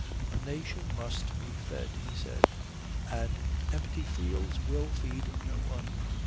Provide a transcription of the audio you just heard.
"A nation must be fed," he said, "and empty fields will feed no one."